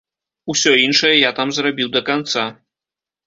Усё іншае я там зрабіў да канца.